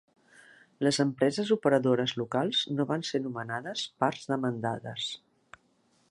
Les empreses operadores locals no van ser nomenades parts demandades.